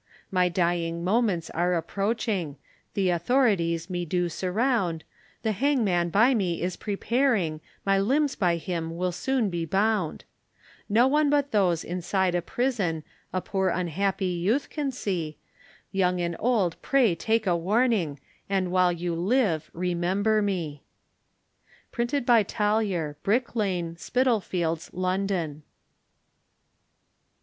My dying moments are approaching, The authorities me do surround, The hangman by me is preparing, My limbs by him will soon be bound; No one but those inside a prison, A poor unhappy youth can see, Young and old pray take a warning, And while you live remember me. Printed by Talyor, Brick Lane, Spitalfields, London.